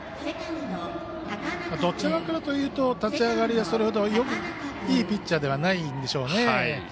どちらかというと立ち上がり、それほどいいピッチャーではないんでしょうね。